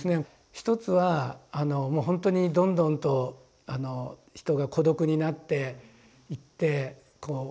一つはもうほんとにどんどんと人が孤独になっていってこう苦しんでいる。